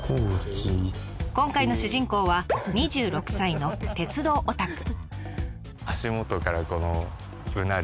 今回の主人公は２６歳の鉄道オタク。